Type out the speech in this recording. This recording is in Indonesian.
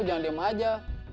jangan diem aja